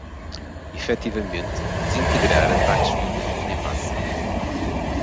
Efetivamente desintegrar ataques violentos em massa